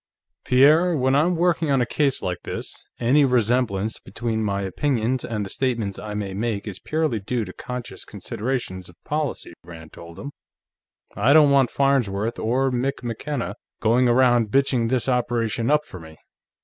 "Pierre, when I'm working on a case like this, any resemblance between my opinions and the statements I may make is purely due to conscious considerations of policy," Rand told him. "I don't want Farnsworth or Mick McKenna going around bitching this operation up for me.